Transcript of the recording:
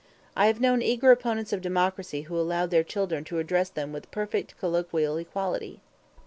I have known eager opponents of democracy who allowed their children to address them with perfect colloquial equality.